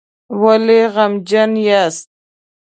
ولې غمجن یاست؟